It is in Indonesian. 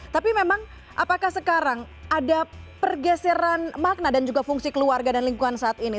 tapi memang apakah sekarang ada pergeseran makna dan juga fungsi keluarga dan lingkungan saat ini